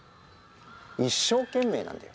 一生懸命なんだよ。